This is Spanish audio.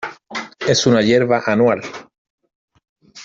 Es una hierba anual.